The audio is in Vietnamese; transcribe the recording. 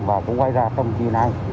và cũng quay ra trong chi này